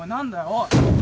おい。